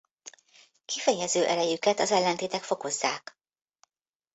Kifejező erejüket az ellentétek fokozzák.